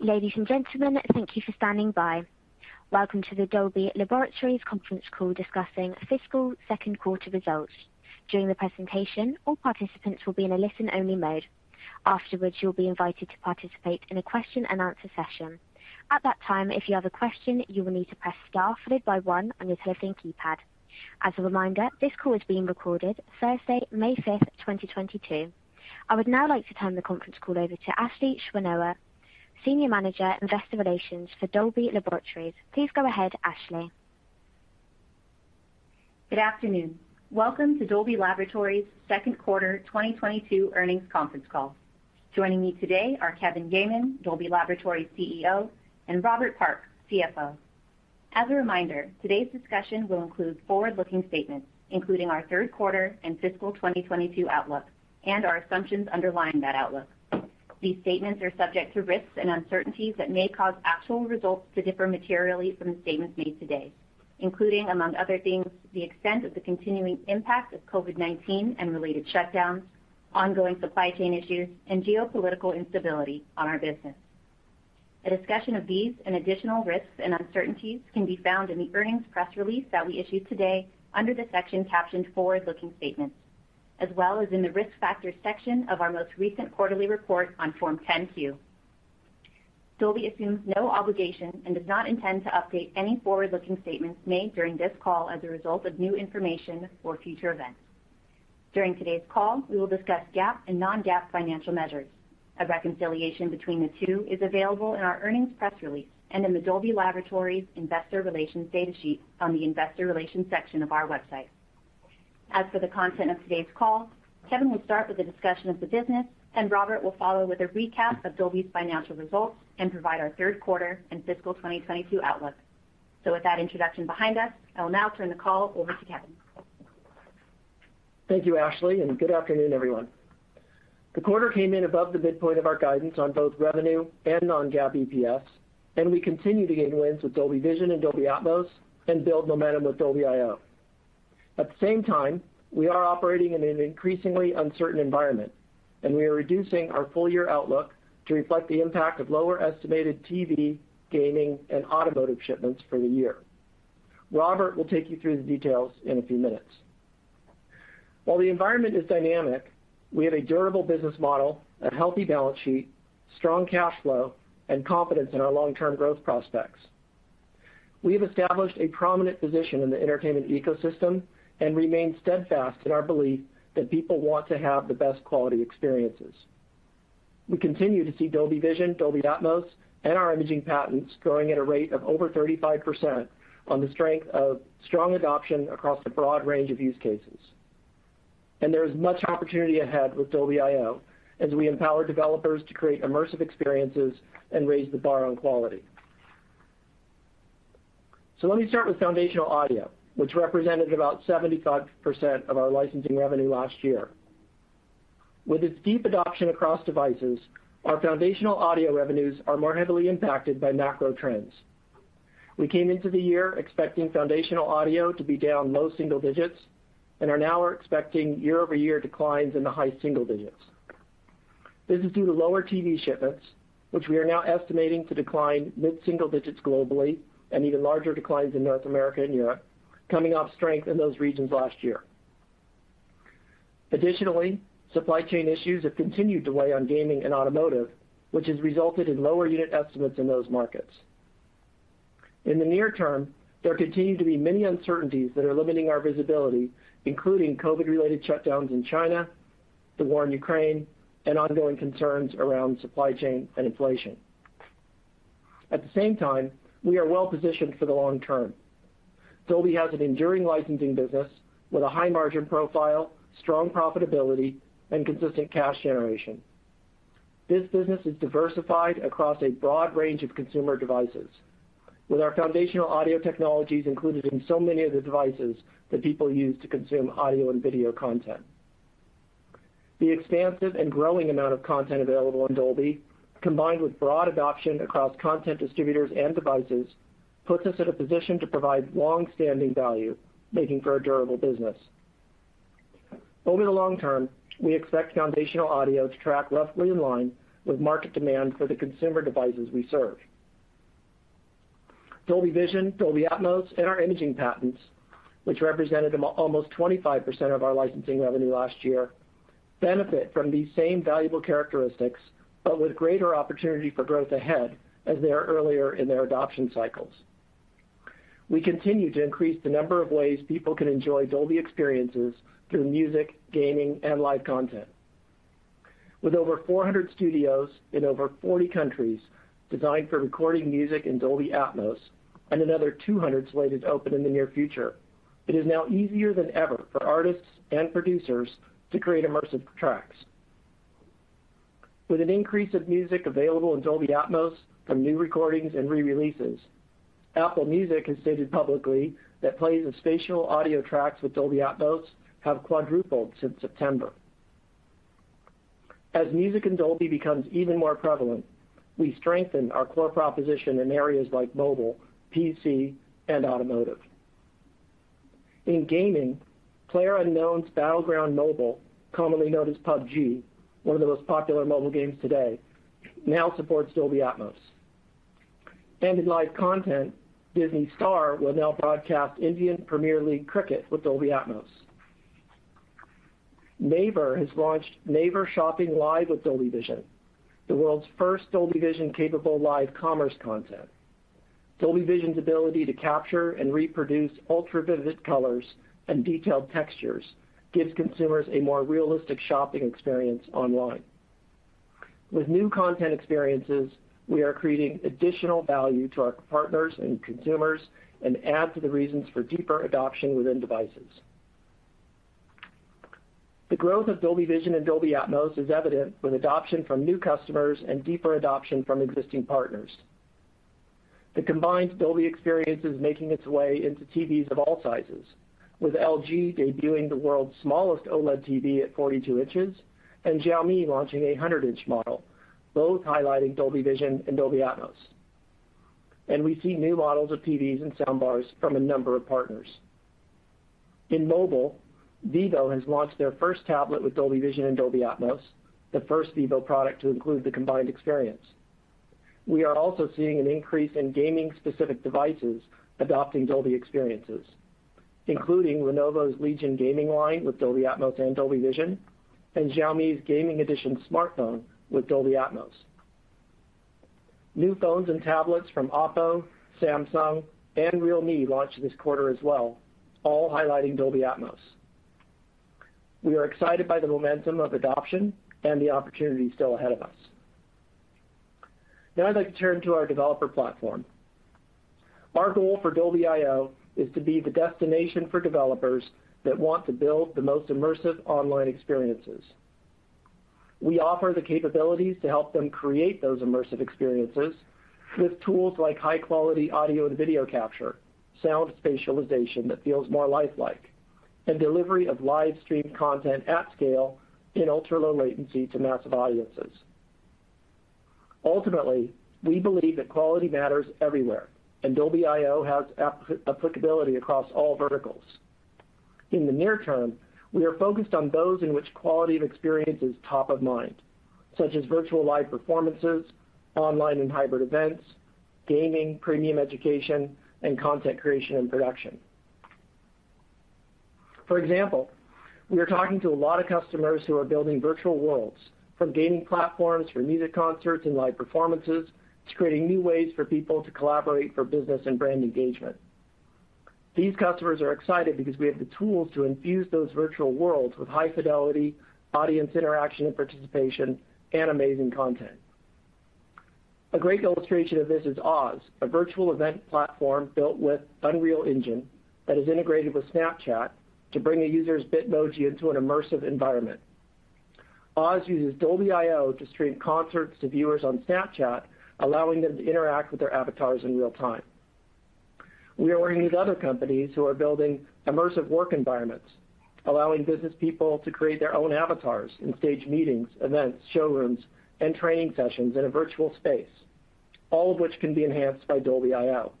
Ladies and gentlemen, thank you for standing by. Welcome to the Dolby Laboratories Conference Call discussing fiscal Q2 results. During the presentation, all participants will be in a listen-only mode. Afterwards, you'll be invited to participate in a question-and-answer session. At that time, if you have a question, you will need to press star followed by one on your telephone keypad. As a reminder, this call is being recorded Thursday, May 5, 2022. I would now like to turn the Conference Call over to Ashley Schwenoha, Senior Manager, Investor Relations for Dolby Laboratories. Please go ahead, Ashley. Good afternoon. Welcome to Dolby Laboratories Q2 2022 Earnings Conference Call. Joining me today are Kevin Yeaman, Dolby Laboratories CEO, and Robert Park, CFO. As a reminder, today's discussion will include forward-looking statements, including our Q3 and fiscal 2022 outlook and our assumptions underlying that outlook. These statements are subject to risks and uncertainties that may cause actual results to differ materially from the statements made today, including, among other things, the extent of the continuing impact of COVID-19 and related shutdowns, ongoing supply chain issues, and geopolitical instability on our business. A discussion of these and additional risks and uncertainties can be found in the earnings press release that we issued today under the section captioned Forward-Looking Statements, as well as in the Risk Factors section of our most recent quarterly report on Form 10-Q. Dolby assumes no obligation and does not intend to update any forward-looking statements made during this call as a result of new information or future events. During today's call, we will discuss GAAP and non-GAAP financial measures. A reconciliation between the two is available in our earnings press release and in the Dolby Laboratories Investor Relations data sheet on the Investor Relations section of our website. As for the content of today's call, Kevin will start with a discussion of the business, and Robert will follow with a recap of Dolby's financial results and provide our Q3 and fiscal 2022 outlook. With that introduction behind us, I will now turn the call over to Kevin. Thank you, Ashley, and good afternoon, everyone. The quarter came in above the midpoint of our guidance on both revenue and non-GAAP EPS, and we continue to gain wins with Dolby Vision and Dolby Atmos and build momentum with Dolby.io. At the same time, we are operating in an increasingly uncertain environment, and we are reducing our full-year outlook to reflect the impact of lower estimated TV, gaming, and automotive shipments for the year. Robert will take you through the details in a few minutes. While the environment is dynamic, we have a durable business model, a healthy balance sheet, strong cash flow, and confidence in our long-term growth prospects. We have established a prominent position in the entertainment ecosystem and remain steadfast in our belief that people want to have the best quality experiences. We continue to see Dolby Vision, Dolby Atmos, and our imaging patents growing at a rate of over 35% on the strength of strong adoption across a broad range of use cases. There is much opportunity ahead with Dolby.io as we empower developers to create immersive experiences and raise the bar on quality. Let me start with foundational audio, which represented about 75% of our licensing revenue last year. With its deep adoption across devices, our foundational audio revenues are more heavily impacted by macro trends. We came into the year expecting foundational audio to be down low-single-digits and are now expecting year-over-year declines in the high-single-digits. This is due to lower TV shipments, which we are now estimating to decline mid-single-digits globally and even larger declines in North America and Europe, coming off strength in those regions last year. Additionally, supply chain issues have continued to weigh on gaming and automotive, which has resulted in lower unit estimates in those markets. In the near term, there continue to be many uncertainties that are limiting our visibility, including COVID-related shutdowns in China, the war in Ukraine, and ongoing concerns around supply chain and inflation. At the same time, we are well-positioned for the long term. Dolby has an enduring licensing business with a high margin profile, strong profitability, and consistent cash generation. This business is diversified across a broad range of consumer devices, with our foundational audio technologies included in so many of the devices that people use to consume audio and video content. The expansive and growing amount of content available in Dolby, combined with broad adoption across content distributors and devices, puts us in a position to provide long-standing value, making for a durable business. Over the long term, we expect foundational audio to track roughly in line with market demand for the consumer devices we serve. Dolby Vision, Dolby Atmos, and our imaging patents, which represented almost 25% of our licensing revenue last year, benefit from these same valuable characteristics, but with greater opportunity for growth ahead as they are earlier in their adoption cycles. We continue to increase the number of ways people can enjoy Dolby experiences through music, gaming, and live content. With over 400 studios in over 40 countries designed for recording music in Dolby Atmos and another 200 slated to open in the near future, it is now easier than ever for artists and producers to create immersive tracks. With an increase of music available in Dolby Atmos from new recordings and rereleases, Apple Music has stated publicly that plays of spatial audio tracks with Dolby Atmos have quadrupled since September. As music in Dolby becomes even more prevalent, we strengthen our core proposition in areas like mobile, PC, and automotive. In gaming, PlayerUnknown's Battlegrounds Mobile, commonly known as PUBG, one of the most popular mobile games today, now supports Dolby Atmos. In live content, Disney Star will now broadcast Indian Premier League cricket with Dolby Atmos. Naver has launched Naver Shopping Live with Dolby Vision, the world's first Dolby Vision-capable live commerce content. Dolby Vision's ability to capture and reproduce ultra-vivid colors and detailed textures gives consumers a more realistic shopping experience online. With new content experiences, we are creating additional value to our partners and consumers and add to the reasons for deeper adoption within devices. The growth of Dolby Vision and Dolby Atmos is evident with adoption from new customers and deeper adoption from existing partners. The combined Dolby experience is making its way into TVs of all sizes, with LG debuting the world's smallest OLED TV at 42 inches, and Xiaomi launching a 100-inch model, both highlighting Dolby Vision and Dolby Atmos. We see new models of TVs and soundbars from a number of partners. In mobile, vivo has launched their first tablet with Dolby Vision and Dolby Atmos, the first vivo product to include the combined experience. We are also seeing an increase in gaming-specific devices adopting Dolby experiences, including Lenovo's Legion gaming line with Dolby Atmos and Dolby Vision, and Xiaomi's gaming edition smartphone with Dolby Atmos. New phones and tablets from OPPO, Samsung, and realme launched this quarter as well, all highlighting Dolby Atmos. We are excited by the momentum of adoption and the opportunity still ahead of us. Now I'd like to turn to our developer platform. Our goal for Dolby.io is to be the destination for developers that want to build the most immersive online experiences. We offer the capabilities to help them create those immersive experiences with tools like high-quality audio and video capture, sound spatialization that feels more lifelike, and delivery of live-streamed content at scale in ultra-low latency to massive audiences. Ultimately, we believe that quality matters everywhere, and Dolby.io has applicability across all verticals. In the near term, we are focused on those in which quality of experience is top of mind, such as virtual live performances, online and hybrid events, gaming, premium education, and content creation and production. For example, we are talking to a lot of customers who are building virtual worlds, from gaming platforms for music concerts and live performances to creating new ways for people to collaborate for business and brand engagement. These customers are excited because we have the tools to infuse those virtual worlds with high fidelity, audience interaction and participation, and amazing content. A great illustration of this is OZ, a virtual event platform built with Unreal Engine that is integrated with Snapchat to bring a user's Bitmoji into an immersive environment. OZ uses Dolby.io to stream concerts to viewers on Snapchat, allowing them to interact with their avatars in real time. We are working with other companies who are building immersive work environments, allowing business people to create their own avatars and stage meetings, events, showrooms, and training sessions in a virtual space, all of which can be enhanced by Dolby.io.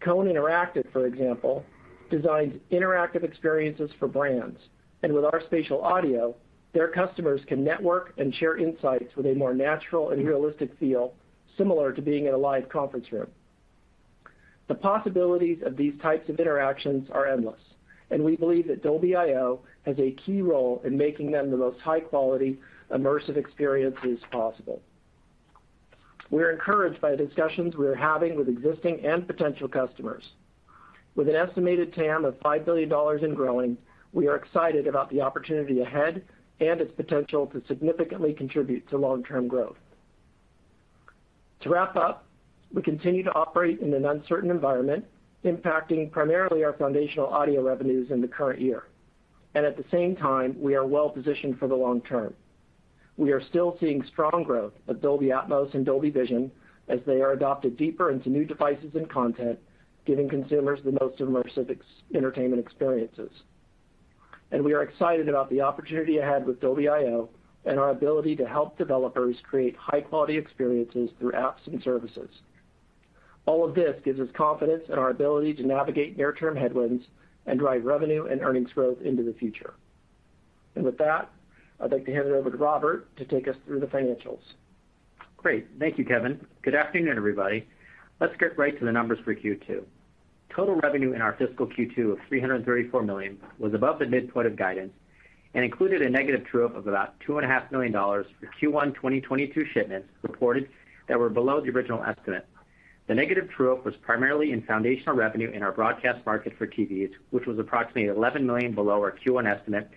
Cone Interactive, for example, designs interactive experiences for brands, and with our spatial audio, their customers can network and share insights with a more natural and realistic feel similar to being in a live conference room. The possibilities of these types of interactions are endless, and we believe that Dolby.io has a key role in making them the most high-quality, immersive experiences possible. We're encouraged by the discussions we are having with existing and potential customers. With an estimated TAM of $5 billion and growing, we are excited about the opportunity ahead and its potential to significantly contribute to long-term growth. To wrap up, we continue to operate in an uncertain environment, impacting primarily our foundational audio revenues in the current year. At the same time, we are well-positioned for the long term. We are still seeing strong growth of Dolby Atmos and Dolby Vision as they are adopted deeper into new devices and content, giving consumers the most immersive entertainment experiences. We are excited about the opportunity ahead with Dolby.io and our ability to help developers create high-quality experiences through apps and services. All of this gives us confidence in our ability to navigate near-term headwinds and drive revenue and earnings growth into the future. With that, I'd like to hand it over to Robert to take us through the financials. Great. Thank you, Kevin. Good afternoon, everybody. Let's get right to the numbers for Q2. Total revenue in our fiscal Q2 of $334 million was above the midpoint of guidance and included a negative true-up of about $2.5 million for Q1 2022 shipments reported that were below the original estimate. The negative true-up was primarily in foundational revenue in our broadcast market for TVs, which was approximately $11 million below our Q1 estimate,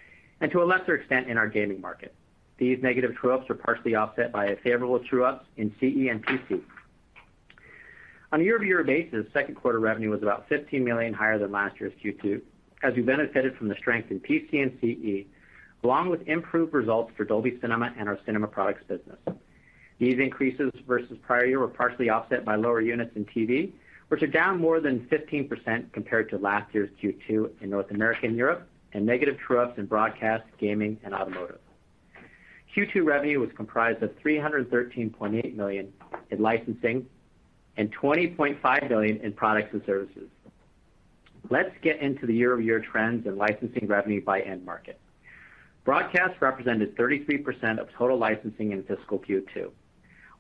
and to a lesser extent in our gaming market. These negative true-ups were partially offset by a favorable true-ups in CE and PC. On a year-over-year basis, Q2 revenue was about $15 million higher than last year's Q2, as we benefited from the strength in PC and CE, along with improved results for Dolby Cinema and our cinema products business. These increases versus prior year were partially offset by lower units in TV, which are down more than 15% compared to last year's Q2 in North America and Europe, and negative true-ups in broadcast, gaming, and automotive. Q2 revenue was comprised of $313.8 million in licensing and $20.5 million in products and services. Let's get into the year-over-year trends in licensing revenue by end market. Broadcast represented 33% of total licensing in fiscal Q2,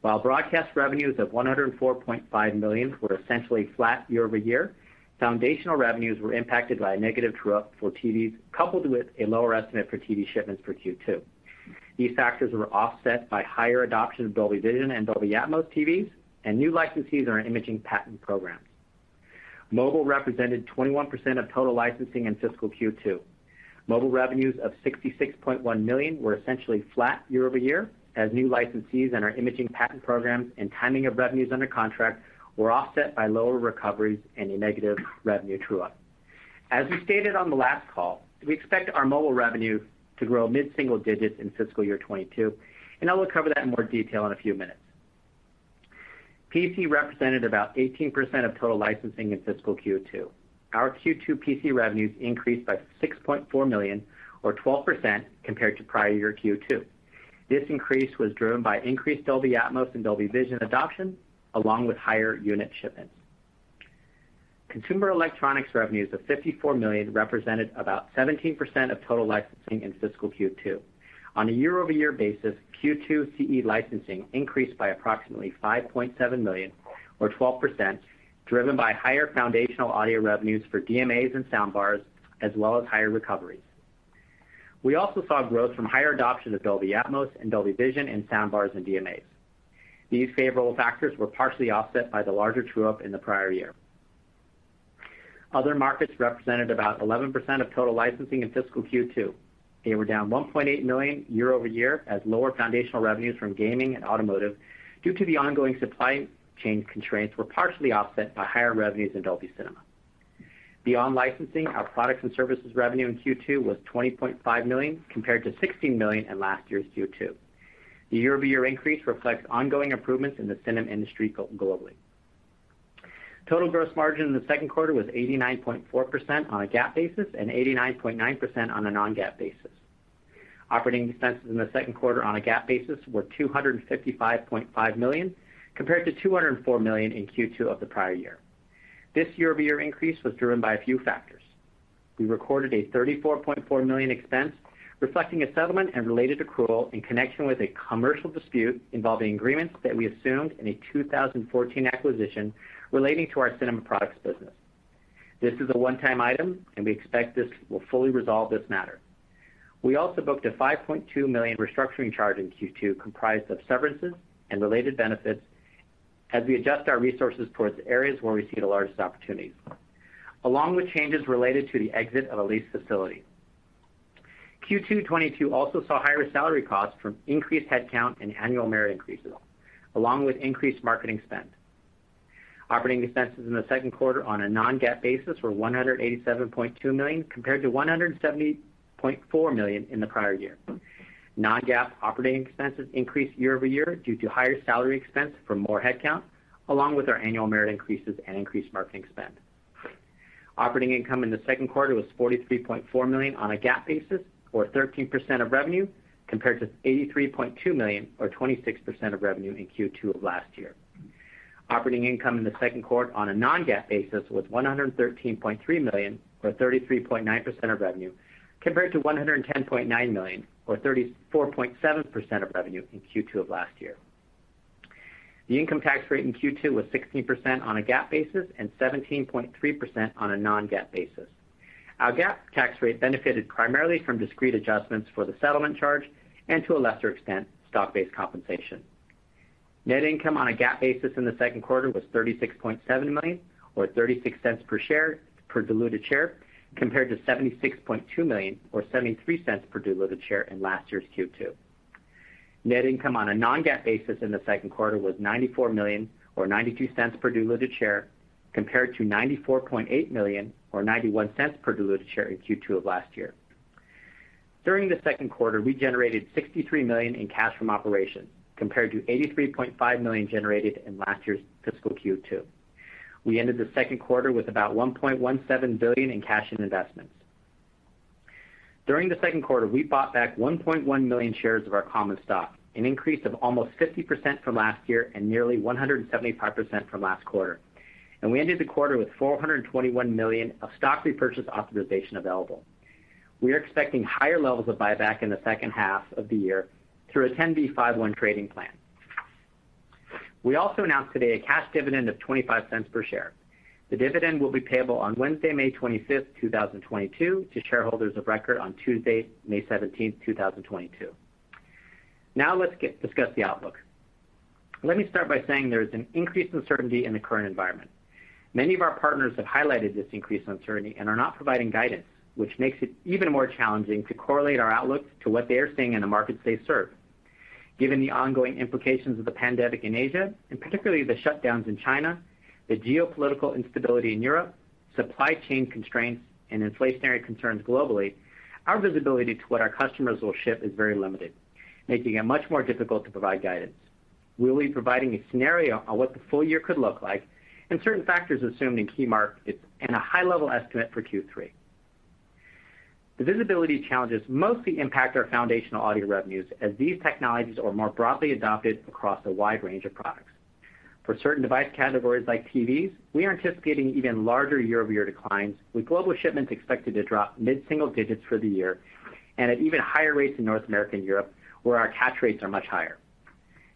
while broadcast revenues of $104.5 million were essentially flat year-over-year. Foundational revenues were impacted by a negative true-up for TVs, coupled with a lower estimate for TV shipments for Q2. These factors were offset by higher adoption of Dolby Vision and Dolby Atmos TVs and new licensees on our imaging patent programs. Mobile represented 21% of total licensing in fiscal Q2. Mobile revenues of $66.1 million were essentially flat year-over-year, as new licensees and our imaging patent programs and timing of revenues under contract were offset by lower recoveries and a negative revenue true-up. We stated on the last call, we expect our mobile revenue to grow mid-single-digits in fiscal year 2022, and I will cover that in more detail in a few minutes. PC represented about 18% of total licensing in fiscal Q2. Our Q2 PC revenues increased by $6.4 million or 12% compared to prior year Q2. This increase was driven by increased Dolby Atmos and Dolby Vision adoption, along with higher unit shipments. Consumer electronics revenues of $54 million represented about 17% of total licensing in fiscal Q2. On a year-over-year basis, Q2 CE licensing increased by approximately $5.7 million or 12%, driven by higher foundational audio revenues for DMAs and soundbars, as well as higher recoveries. We also saw growth from higher adoption of Dolby Atmos and Dolby Vision in soundbars and DMAs. These favorable factors were partially offset by the larger true-up in the prior year. Other markets represented about 11% of total licensing in fiscal Q2. They were down $1.8 million year-over-year as lower foundational revenues from gaming and automotive due to the ongoing supply chain constraints were partially offset by higher revenues in Dolby Cinema. Beyond licensing, our products and services revenue in Q2 was $20.5 million compared to $16 million in last year's Q2. The year-over-year increase reflects ongoing improvements in the cinema industry globally. Total gross margin in Q2 was 89.4% on a GAAP basis and 89.9% on a non-GAAP basis. Operating expenses in Q2 on a GAAP basis were $255.5 million compared to $204 million in Q2 of the prior year. This year-over-year increase was driven by a few factors. We recorded a $34.4 million expense reflecting a settlement and related accrual in connection with a commercial dispute involving agreements that we assumed in a 2014 acquisition relating to our cinema products business. This is a one-time item, and we expect this will fully resolve this matter. We also booked a $5.2 million restructuring charge in Q2, comprised of severances and related benefits as we adjust our resources towards the areas where we see the largest opportunities, along with changes related to the exit of a leased facility. Q2 2022 also saw higher salary costs from increased headcount and annual merit increases, along with increased marketing spend. Operating expenses in Q2 on a non-GAAP basis were $187.2 million compared to $170.4 million in the prior year. Non-GAAP operating expenses increased year-over-year due to higher salary expense from more headcount, along with our annual merit increases and increased marketing spend. Operating income in Q2 was $43.4 million on a GAAP basis or 13% of revenue, compared to $83.2 million or 26% of revenue in Q2 of last year. Operating income in Q2 on a non-GAAP basis was $113.3 million, or 33.9% of revenue, compared to $110.9 million, or 34.7% of revenue in Q2 of last year. The income tax rate in Q2 was 16% on a GAAP basis and 17.3% on a non-GAAP basis. Our GAAP tax rate benefited primarily from discrete adjustments for the settlement charge and to a lesser extent, stock-based compensation. Net income on a GAAP basis in Q2 was $36.7 million or $0.36 per diluted share, compared to $76.2 million or $0.73 per diluted share in last year's Q2. Net income on a non-GAAP basis in Q2 was $94 million or $0.92 per diluted share, compared to $94.8 million or $0.91 per diluted share in Q2 of last year. During Q2, we generated $63 million in cash from operations, compared to $83.5 million generated in last year's fiscal Q2. We ended Q2 with about $1.17 billion in cash and investments. During Q2, we bought back 1.1 million shares of our common stock, an increase of almost 50% from last year and nearly 175% from last quarter. We ended the quarter with $421 million of stock repurchase authorization available. We are expecting higher levels of buyback in the second half of the year through a 10b5-1 trading plan. We also announced today a cash dividend of $0.25 per share. The dividend will be payable on Wednesday, May 25th, 2022, to shareholders of record on Tuesday, May 17th, 2022. Now let's discuss the outlook. Let me start by saying there is an increased uncertainty in the current environment. Many of our partners have highlighted this increased uncertainty and are not providing guidance, which makes it even more challenging to correlate our outlook to what they are seeing in the markets they serve. Given the ongoing implications of the pandemic in Asia, and particularly the shutdowns in China, the geopolitical instability in Europe, supply chain constraints, and inflationary concerns globally, our visibility to what our customers will ship is very limited, making it much more difficult to provide guidance. We'll be providing a scenario on what the full-year could look like and certain factors assumed in key markets and a high-level estimate for Q3. The visibility challenges mostly impact our foundational audio revenues as these technologies are more broadly adopted across a wide range of products. For certain device categories like TVs, we are anticipating even larger year-over-year declines, with global shipments expected to drop mid-single-digits for the year and at even higher rates in North America and Europe, where our catch rates are much higher.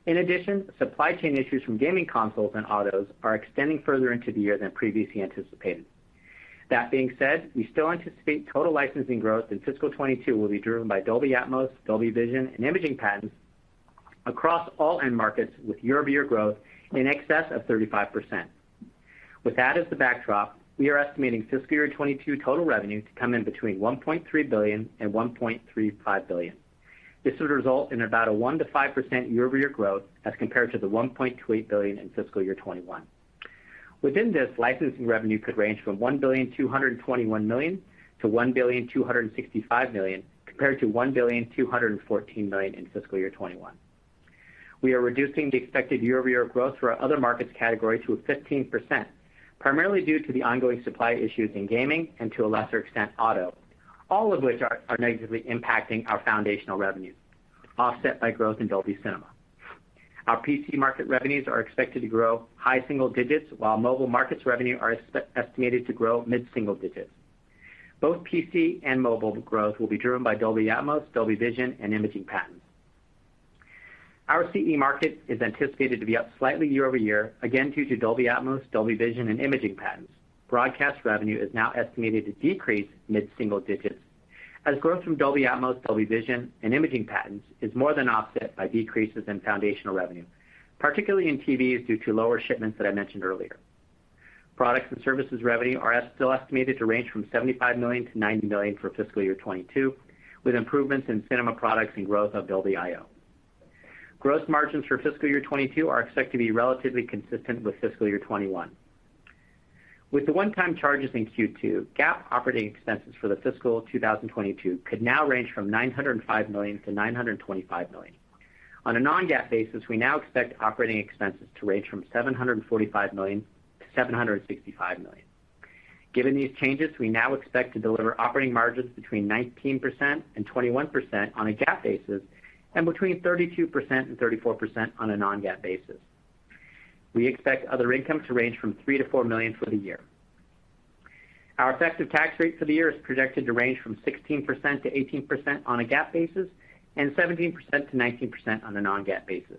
In addition, supply chain issues from gaming consoles and autos are extending further into the year than previously anticipated. That being said, we still anticipate total licensing growth in fiscal 2022 will be driven by Dolby Atmos, Dolby Vision, and imaging patents across all end markets with year-over-year growth in excess of 35%. With that as the backdrop, we are estimating fiscal year 2022 total revenue to come in between $1.3 billion and $1.35 billion. This will result in about a 1%-5% year-over-year growth as compared to the $1.28 billion in fiscal year 2021. Within this, licensing revenue could range from $1.221 billion-$1.265 billion, compared to $1.214 billion in fiscal year 2021. We are reducing the expected year-over-year growth for our other markets category to 15%, primarily due to the ongoing supply issues in gaming and to a lesser extent, auto. All of which are negatively impacting our foundational revenue, offset by growth in Dolby Cinema. Our PC market revenues are expected to grow high-single-digits%, while mobile markets revenue are estimated to grow mid-single-digits%. Both PC and mobile growth will be driven by Dolby Atmos, Dolby Vision, and imaging patents. Our CE market is anticipated to be up slightly year-over-year, again due to Dolby Atmos, Dolby Vision and imaging patents. Broadcast revenue is now estimated to decrease mid-single-digits% as growth from Dolby Atmos, Dolby Vision and imaging patents is more than offset by decreases in foundational revenue, particularly in TVs, due to lower shipments that I mentioned earlier. Products and services revenue are still estimated to range from $75 million-$90 million for fiscal year 2022, with improvements in cinema products and growth of Dolby.io. Gross margins for fiscal year 2022 are expected to be relatively consistent with fiscal year 2021. With the one-time charges in Q2, GAAP operating expenses for fiscal 2022 could now range from $905 million-$925 million. On a non-GAAP basis, we now expect operating expenses to range from $745 million-$765 million. Given these changes, we now expect to deliver operating margins between 19% and 21% on a GAAP basis, and between 32% and 34% on a non-GAAP basis. We expect other income to range from $3 million-$4 million for the year. Our effective tax rate for the year is projected to range from 16%-18% on a GAAP basis and 17%-19% on a non-GAAP basis.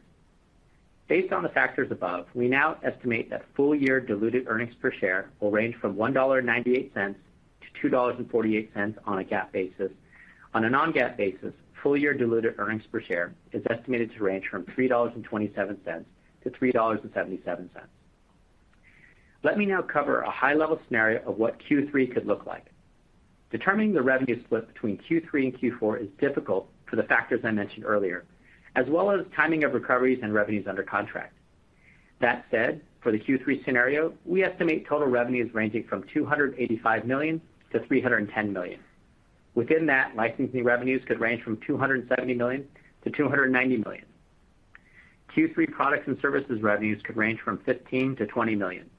Based on the factors above, we now estimate that full-year diluted earnings per share will range from $1.98 to $2.48 on a GAAP basis. On a non-GAAP basis, full-year diluted earnings per share is estimated to range from $3.27 to $3.77. Let me now cover a high-level scenario of what Q3 could look like. Determining the revenue split between Q3 and Q4 is difficult for the factors I mentioned earlier, as well as timing of recoveries and revenues under contract. That said, for the Q3 scenario, we estimate total revenues ranging from $285 million-$310 million. Within that, licensing revenues could range from $270 million-$290 million. Q3 products and services revenues could range from $15 million-$20 million.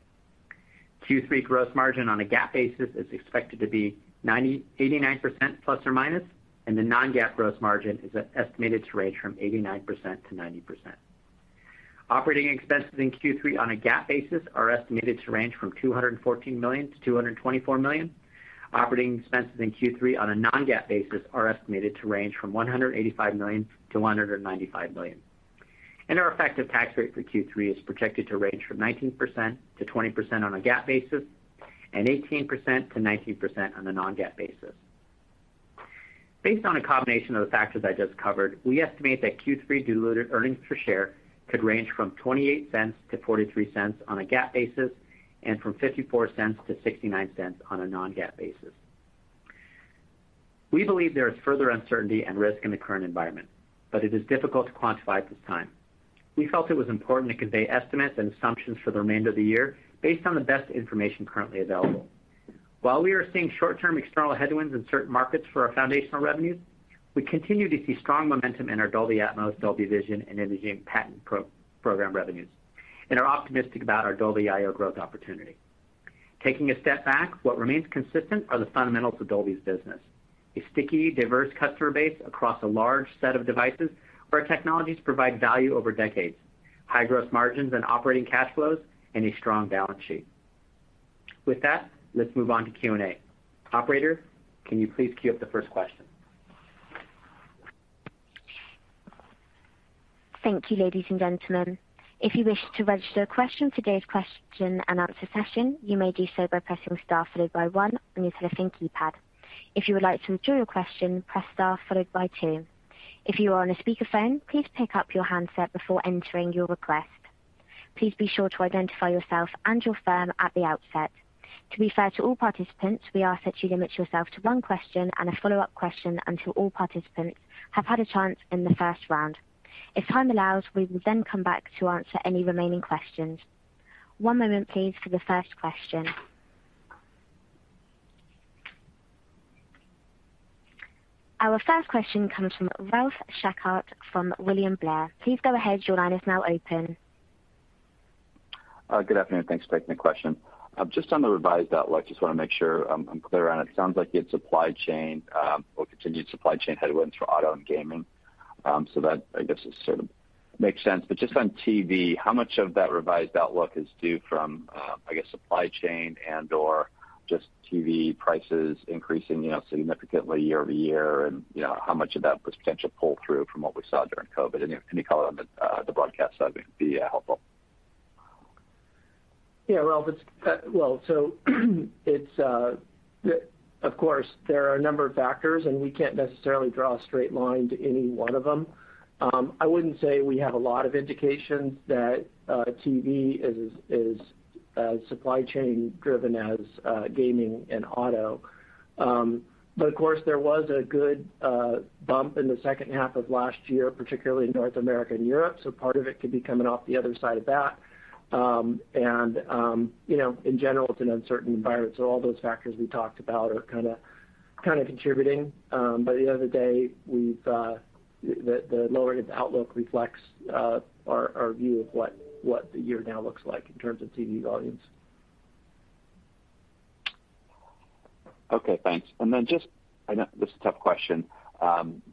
Q3 gross margin on a GAAP basis is expected to be 89% ±, and the non-GAAP gross margin is estimated to range from 89%-90%. Operating expenses in Q3 on a GAAP basis are estimated to range from $214 million-$224 million. Operating expenses in Q3 on a non-GAAP basis are estimated to range from $185 million-$195 million. Our effective tax rate for Q3 is projected to range from 19%-20% on a GAAP basis and 18%-19% on a non-GAAP basis. Based on a combination of the factors I just covered, we estimate that Q3 diluted earnings per share could range from $0.28-$0.43 on a GAAP basis, and from $0.54-$0.69 on a non-GAAP basis. We believe there is further uncertainty and risk in the current environment, but it is difficult to quantify at this time. We felt it was important to convey estimates and assumptions for the remainder of the year based on the best information currently available. While we are seeing short-term external headwinds in certain markets for our foundational revenues, we continue to see strong momentum in our Dolby Atmos, Dolby Vision and imaging patent program revenues and are optimistic about our Dolby.io growth opportunity. Taking a step back, what remains consistent are the fundamentals of Dolby's business. A sticky, diverse customer base across a large set of devices where our technologies provide value over decades, high gross margins and operating cash flows, and a strong balance sheet. With that, let's move on to Q&A. Operator, can you please queue up the first question? Thank you, ladies and gentlemen. If you wish to register a question for today's question and answer session, you may do so by pressing star followed by one on your telephone keypad. If you would like to withdraw your question, press star followed by two. If you are on a speakerphone, please pick up your handset before entering your request. Please be sure to identify yourself and your firm at the outset. To be fair to all participants, we ask that you limit yourself to one question and a follow-up question until all participants have had a chance in the first round. If time allows, we will then come back to answer any remaining questions. One moment please for the first question. Our first question comes from Ralph Schackart from William Blair. Please go ahead. Your line is now open. Good afternoon. Thanks for taking the question. Just on the revised outlook, just wanna make sure I'm clear on it. Sounds like you had supply chain or continued supply chain headwinds for auto and gaming. So that, I guess, makes sense. But just on TV, how much of that revised outlook is due from, I guess, supply chain and/or just TV prices increasing, you know, significantly year over year? And, you know, how much of that was potential pull-through from what we saw during COVID? Any color on the broadcast side would be helpful. Yeah, Ralph. Of course, there are a number of factors, and we can't necessarily draw a straight line to any one of them. I wouldn't say we have a lot of indications that TV is as supply chain driven as gaming and auto. Of course, there was a good bump in the second half of last year, particularly in North America and Europe, so part of it could be coming off the other side of that. You know, in general, it's an uncertain environment, so all those factors we talked about are kinda contributing. At the end of the day, the lowered outlook reflects our view of what the year now looks like in terms of TV volumes. Okay, thanks. Then just, I know this is a tough question,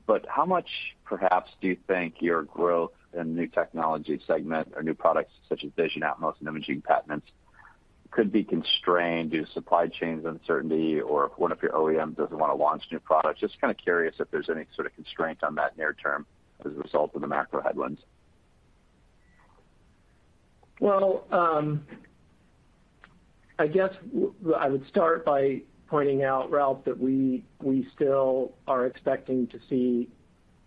but how much perhaps do you think your growth in new technology segment or new products such as Dolby Vision, Dolby Atmos, and imaging patents could be constrained due to supply chain uncertainty, or if one of your OEMs doesn't wanna launch new products? Just kinda curious if there's any sort of constraint on that near term as a result of the macro headwinds. Well, I guess I would start by pointing out, Ralph, that we still are expecting to see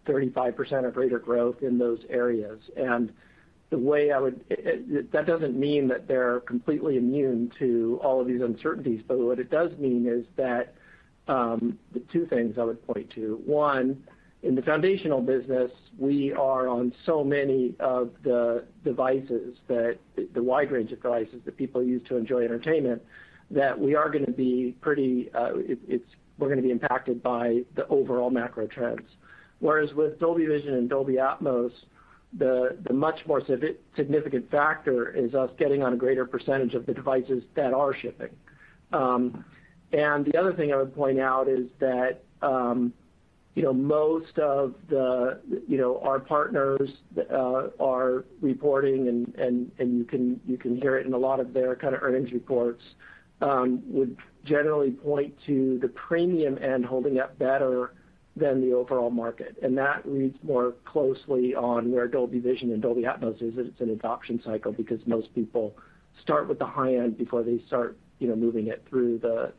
35% or greater growth in those areas. That doesn't mean that they're completely immune to all of these uncertainties, but what it does mean is that the two things I would point to. One, in the foundational business, we are on so many of the wide range of devices that people use to enjoy entertainment, that we are gonna be impacted by the overall macro trends. Whereas with Dolby Vision and Dolby Atmos, the much more significant factor is us getting on a greater percentage of the devices that are shipping. The other thing I would point out is that, you know, most of the, you know, our partners are reporting, and you can hear it in a lot of their kinda earnings reports, would generally point to the premium end holding up better than the overall market. That reads more closely on where Dolby Vision and Dolby Atmos is. It's an adoption cycle because most people start with the high end before they start, you know, moving it through the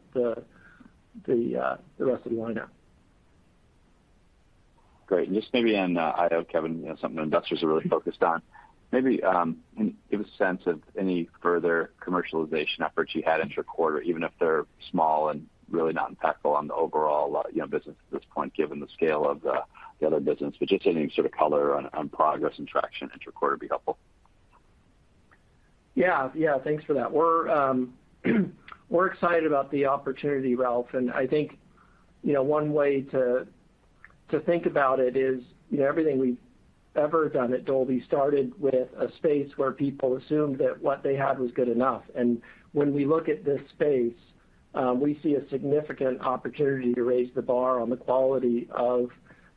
rest of the lineup. Great. Just maybe on Dolby.io, Kevin, you know, something investors are really focused on, maybe can give a sense of any further commercialization efforts you had interquarter, even if they're small and really not impactful on the overall, you know, business at this point, given the scale of the other business. Just any sort of color on progress and traction interquarter would be helpful. Yeah. Thanks for that. We're excited about the opportunity, Ralph. I think one way to think about it is everything we've ever done at Dolby started with a space where people assumed that what they had was good enough. When we look at this space, we see a significant opportunity to raise the bar on the quality of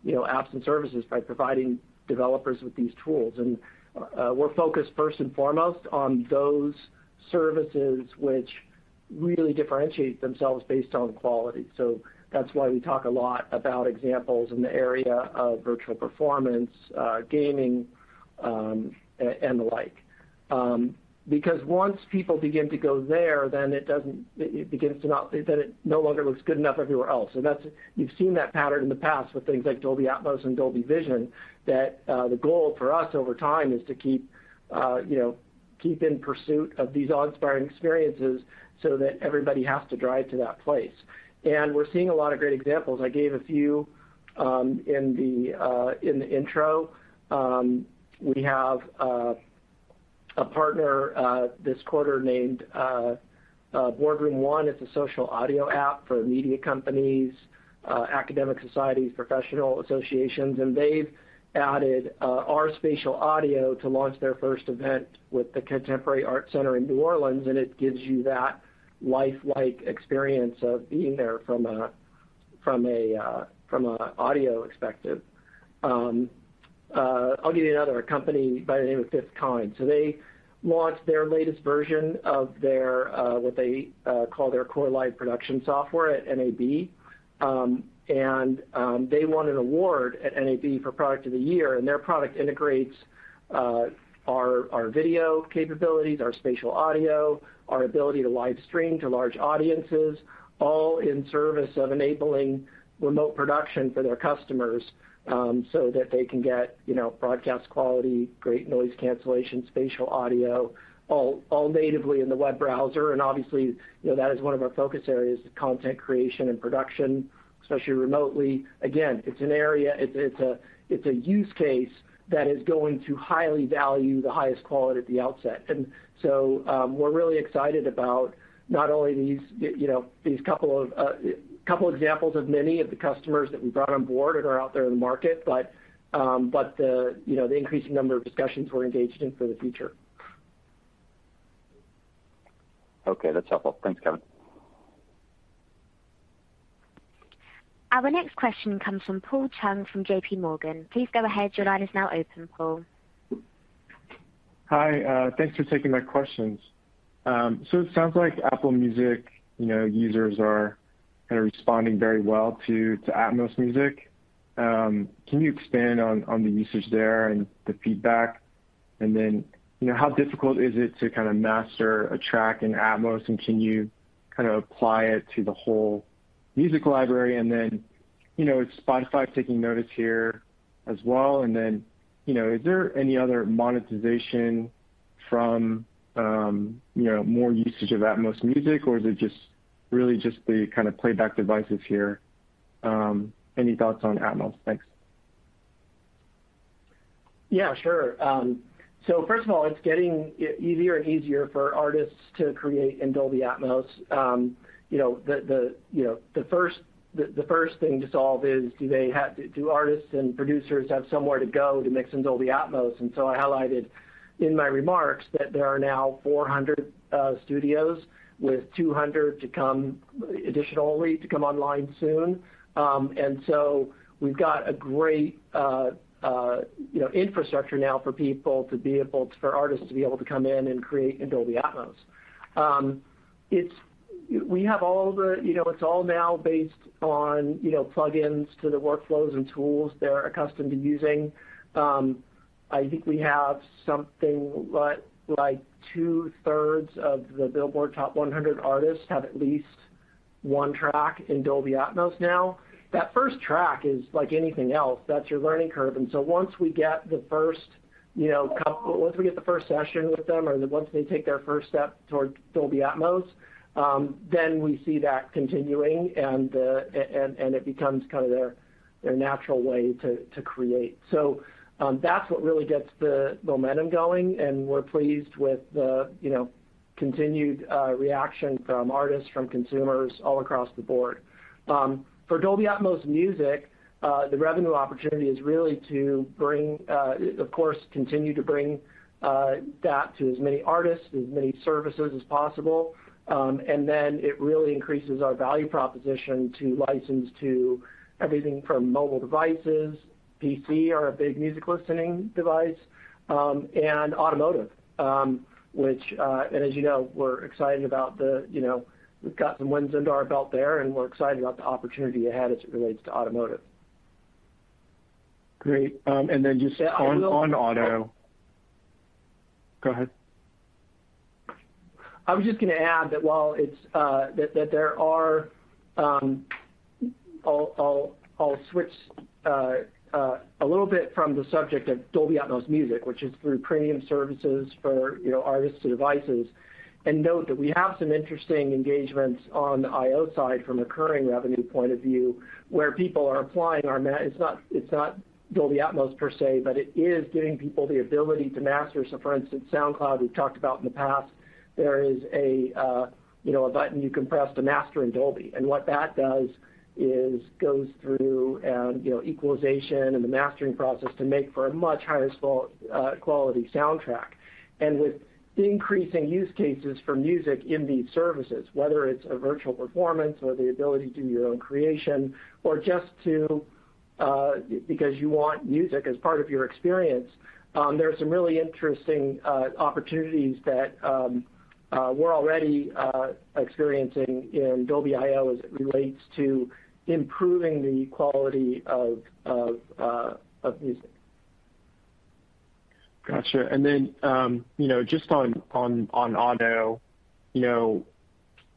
apps and services by providing developers with these tools. We're focused first and foremost on those services which really differentiate themselves based on quality. That's why we talk a lot about examples in the area of virtual performance, gaming, and the like. Because once people begin to go there, then it no longer looks good enough everywhere else. You've seen that pattern in the past with things like Dolby Atmos and Dolby Vision, that the goal for us over time is to keep you know keep in pursuit of these awe-inspiring experiences so that everybody has to drive to that place. We're seeing a lot of great examples. I gave a few in the intro. We have a partner this quarter named Boardroom One. It's a social audio app for media companies, academic societies, professional associations. They've added our spatial audio to launch their first event with the Contemporary Arts Center in New Orleans, and it gives you that lifelike experience of being there from an audio perspective. I'll give you another, a company by the name of 5th Kind. They launched their latest version of their what they call their Core Live production software at NAB. They won an award at NAB for product of the year, and their product integrates our video capabilities, our spatial audio, our ability to live stream to large audiences, all in service of enabling remote production for their customers, so that they can get, you know, broadcast quality, great noise cancellation, spatial audio, all natively in the web browser. Obviously, you know, that is one of our focus areas, the content creation and production, especially remotely. Again, it's an area. It's a use case that is going to highly value the highest quality at the outset. We're really excited about not only these, you know, these couple examples of many of the customers that we brought on board and are out there in the market, but the, you know, the increasing number of discussions we're engaged in for the future. Okay. That's helpful. Thanks, Kevin. Our next question comes from Paul Chung from J.P. Morgan. Please go ahead. Your line is now open, Paul. Hi. Thanks for taking my questions. It sounds like Apple Music, you know, users are kinda responding very well to Atmos Music. Can you expand on the usage there and the feedback? You know, how difficult is it to kinda master a track in Atmos, and can you kinda apply it to the whole music library? You know, is Spotify taking notice here as well? You know, is there any other monetization from, you know, more usage of Atmos Music, or is it just really just the kinda playback devices here? Any thoughts on Atmos? Thanks. Yeah, sure. First of all, it's getting easier and easier for artists to create in Dolby Atmos. You know, the first thing to solve is do artists and producers have somewhere to go to mix in Dolby Atmos. I highlighted in my remarks that there are now 400 studios with 200 to come, additionally, to come online soon. We've got a great, you know, infrastructure now for artists to be able to come in and create in Dolby Atmos. You know, it's all now based on, you know, plugins to the workflows and tools they're accustomed to using. I think we have something like two-thirds of the Billboard top 100 artists have at least one track in Dolby Atmos now. That first track is like anything else. That's your learning curve. Once we get the first, you know, once we get the first session with them, or once they take their first step towards Dolby Atmos, then we see that continuing, and it becomes kinda their natural way to create. That's what really gets the momentum going, and we're pleased with the, you know, continued reaction from artists, from consumers all across the board. For Dolby Atmos Music, the revenue opportunity is really to bring, of course, continue to bring, that to as many artists, as many services as possible. It really increases our value proposition to license to everything from mobile devices, PCs are a big music listening device, and automotive, which and as you know, we're excited about the you know we've got some wins under our belt there, and we're excited about the opportunity ahead as it relates to automotive. Great. Just Yeah, I will. On auto. Go ahead. I was just gonna add that while it's that there are. I'll switch a little bit from the subject of Dolby Atmos Music, which is through premium services for, you know, artists to devices. Note that we have some interesting engagements on the Dolby.io side from a recurring revenue point of view, where people are applying our. It's not Dolby Atmos per se, but it is giving people the ability to master. For instance, SoundCloud, we've talked about in the past, there is a, you know, a button you can press to master in Dolby. What that does is goes through, you know, equalization and the mastering process to make for a much higher quality soundtrack. With the increasing use cases for music in these services, whether it's a virtual performance or the ability to do your own creation or just to, because you want music as part of your experience, there are some really interesting opportunities that we're already experiencing in Dolby IO as it relates to improving the quality of music. Gotcha. You know, just on auto, you know,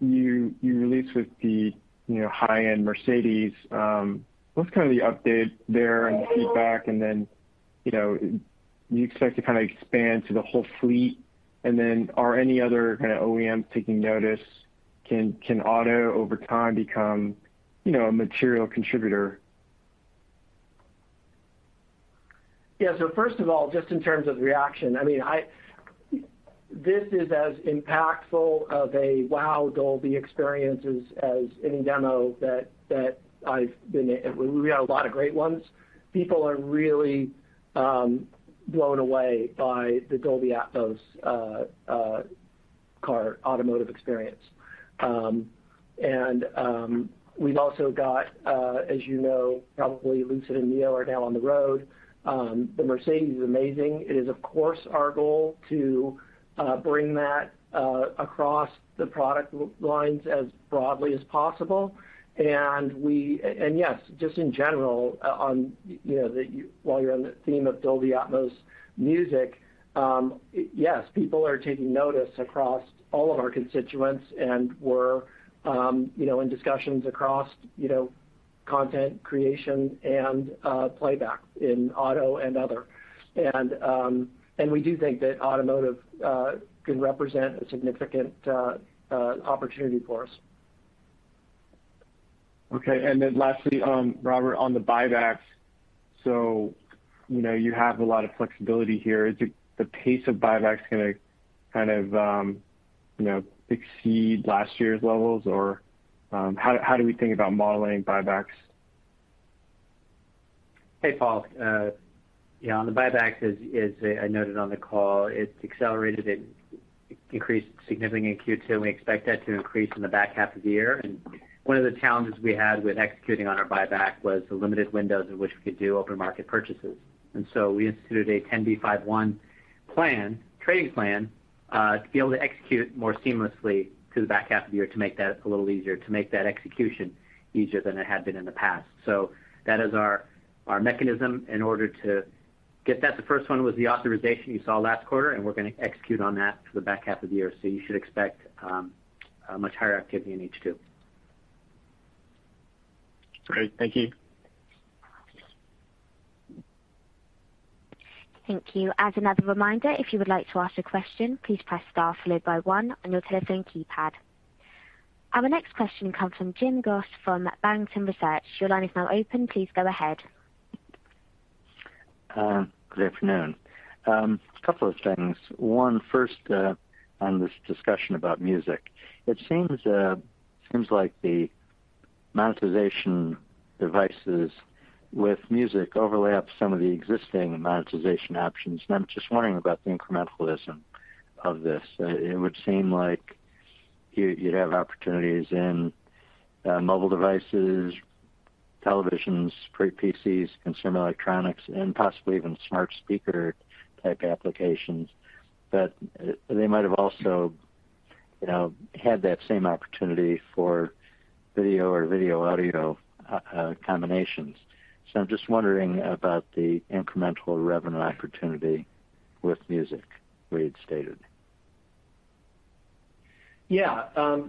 you released with the, you know, high-end Mercedes-Benz. What's kinda the update there and the feedback? You know, do you expect to kinda expand to the whole fleet? Are any other kinda OEM taking notice? Can auto over time become, you know, a material contributor? Yeah. First of all, just in terms of reaction, I mean, this is as impactful of a wow Dolby experiences as any demo. We have a lot of great ones. People are really blown away by the Dolby Atmos car automotive experience. We've also got, as you know, probably Lucid and NIO are now on the road. The Mercedes-Benz is amazing. It is, of course, our goal to bring that across the product lines as broadly as possible. Yes, just in general, on, you know, while you're on the theme of Dolby Atmos music, yes, people are taking notice across all of our constituents, and we're, you know, in discussions across, you know, content creation and playback in auto and other. We do think that automotive can represent a significant opportunity for us. Okay. Lastly, Robert, on the buybacks. You know, you have a lot of flexibility here. Is the pace of buybacks gonna kind of, you know, exceed last year's levels? Or, how do we think about modeling buybacks? Hey, Paul. Yeah, on the buyback, as I noted on the call, it accelerated. It increased significantly in Q2, and we expect that to increase in the back half of the year. One of the challenges we had with executing on our buyback was the limited windows in which we could do open market purchases. We instituted a 10b5-1 plan, trading plan, to be able to execute more seamlessly through the back half of the year to make that a little easier, to make that execution easier than it had been in the past. That is our mechanism in order to get that. The first one was the authorization you saw last quarter, and we're gonna execute on that for the back half of the year. You should expect a much higher activity in H2. Great. Thank you. Thank you. As another reminder, if you would like to ask a question, please press star followed by one on your telephone keypad. Our next question comes from Jim Goss from Barrington Research. Your line is now open. Please go ahead. Good afternoon. A couple of things. One, first, on this discussion about music, it seems like the monetization devices with music overlaps some of the existing monetization options, and I'm just wondering about the incrementalism of this. It would seem like you'd have opportunities in, mobile devices, televisions, great PCs, consumer electronics, and possibly even smart speaker type applications. But they might have also, you know, had that same opportunity for video or video/audio, combinations. I'm just wondering about the incremental revenue opportunity with music, the way you'd stated. Yeah.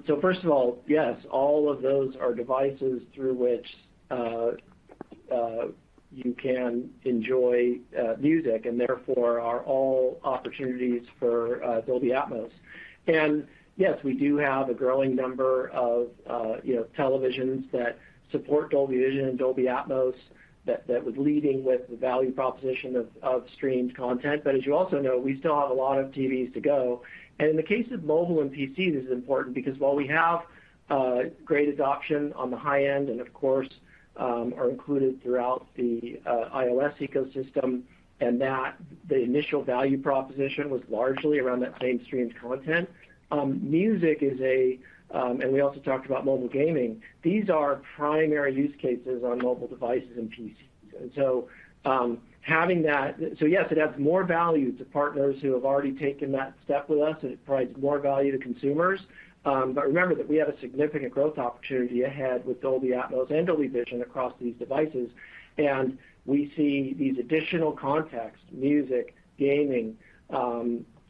So first of all, yes, all of those are devices through which you can enjoy music and therefore are all opportunities for Dolby Atmos. Yes, we do have a growing number of, you know, televisions that support Dolby Vision and Dolby Atmos that was leading with the value proposition of streamed content. As you also know, we still have a lot of TVs to go. In the case of mobile and PC, this is important because while we have great adoption on the high-end and of course are included throughout the iOS ecosystem, and that the initial value proposition was largely around that same streamed content, music is a and we also talked about mobile gaming. These are primary use cases on mobile devices and PCs. Yes, it adds more value to partners who have already taken that step with us, and it provides more value to consumers. Remember that we have a significant growth opportunity ahead with Dolby Atmos and Dolby Vision across these devices. We see these additional contexts, music, gaming,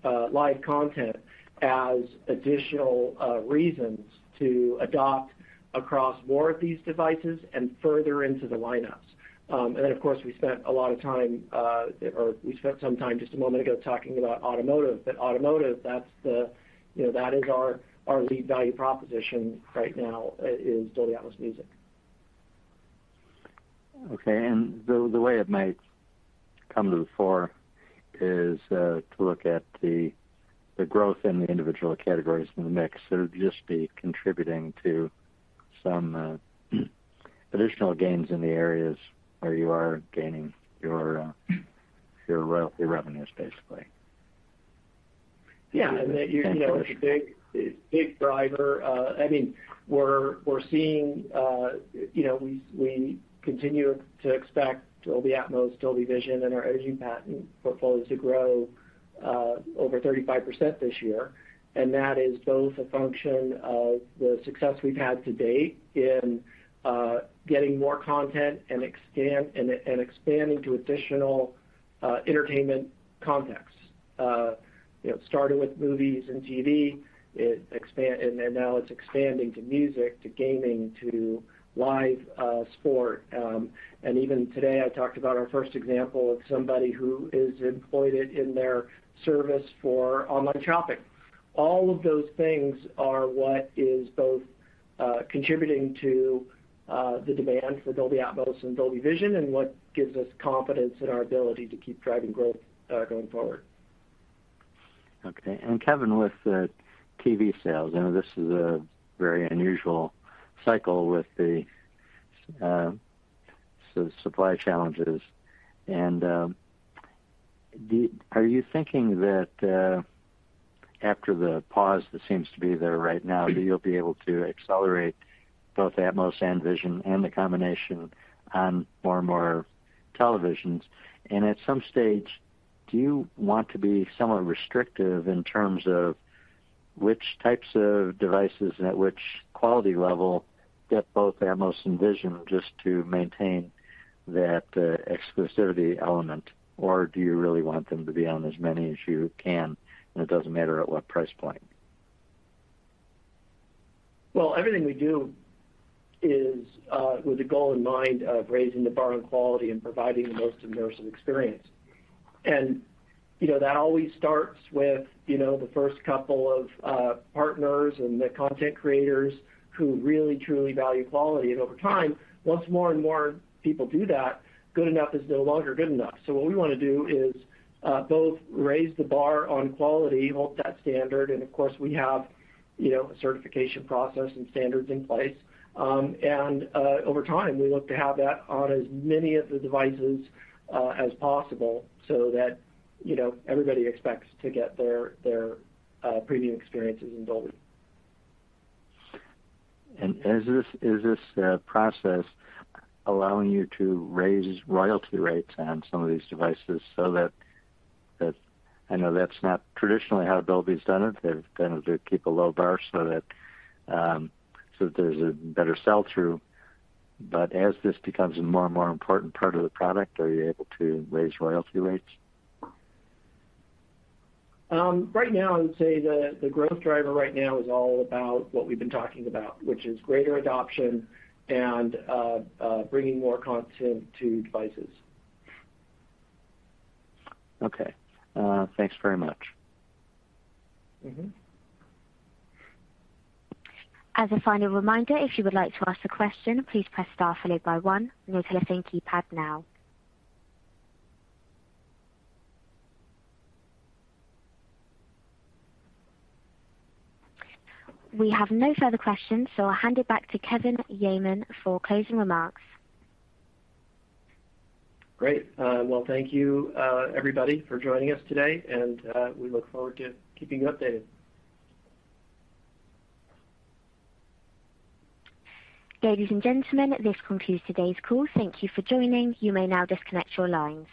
live content as additional reasons to adopt across more of these devices and further into the lineups. Of course, we spent some time just a moment ago talking about automotive. Automotive, that's the, you know, that is our lead value proposition right now is Dolby Atmos music. Okay. The way it might come to the fore is to look at the growth in the individual categories in the mix. It would just be contributing to some additional gains in the areas where you are gaining your revenues, basically. Yeah. You know, it's a big, big driver. I mean, we're seeing, you know, we continue to expect Dolby Atmos, Dolby Vision, and our emerging patent portfolio to grow over 35% this year. That is both a function of the success we've had to date in getting more content and expanding to additional entertainment contexts. You know, starting with movies and TV, now it's expanding to music, to gaming, to live sport. Even today, I talked about our first example of somebody who has employed it in their service for online shopping. All of those things are what is both contributing to the demand for Dolby Atmos and Dolby Vision, and what gives us confidence in our ability to keep driving growth going forward. Okay. Kevin, with the TV sales, I know this is a very unusual cycle with the supply challenges. Are you thinking that, after the pause that seems to be there right now, that you'll be able to accelerate both Atmos and Vision and the combination on more and more televisions? At some stage, do you want to be somewhat restrictive in terms of which types of devices and at which quality level get both Atmos and Vision just to maintain that exclusivity element? Or do you really want them to be on as many as you can, and it doesn't matter at what price point? Well, everything we do is with the goal in mind of raising the bar on quality and providing the most immersive experience. You know, that always starts with you know the first couple of partners and the content creators who really truly value quality. Over time, once more and more people do that, good enough is no longer good enough. What we wanna do is both raise the bar on quality, hold that standard, and of course, we have you know a certification process and standards in place. Over time, we look to have that on as many of the devices as possible so that you know everybody expects to get their premium experiences in Dolby. Is this process allowing you to raise royalty rates on some of these devices so that I know that's not traditionally how Dolby's done it. They've tended to keep a low bar so that there's a better sell-through. As this becomes a more and more important part of the product, are you able to raise royalty rates? Right now, I would say the growth driver right now is all about what we've been talking about, which is greater adoption and bringing more content to devices. Okay. Thanks very much. Mm-hmm. As a final reminder, if you would like to ask a question, please press star followed by one on your telephone keypad now. We have no further questions, so I'll hand it back to Kevin Yeaman for closing remarks. Great. Well, thank you, everybody, for joining us today, and we look forward to keeping you updated. Ladies and gentlemen, this concludes today's call. Thank you for joining. You may now disconnect your lines.